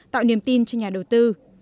tạo niềm tin cho nhà đầu tư